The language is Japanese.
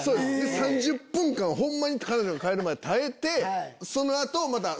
３０分間ホンマに彼女が帰るまで耐えて。